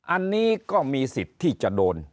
อันนี้ก็มีสิทธิ์ที่จะโดน